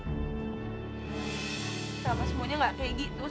sama semuanya gak kayak gitu